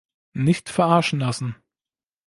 Nicht verarschen lassen!